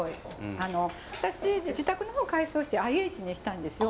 あの私自宅の方を改装してＩＨにしたんですよ。